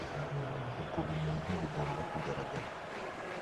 Ubwo bumuntu bugomba kugaragara.